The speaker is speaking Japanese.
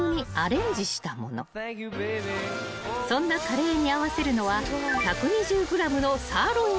［そんなカレーに合わせるのは］